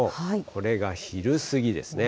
これが昼過ぎですね。